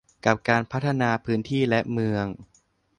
กับการพัฒนาพื้นที่และเมือง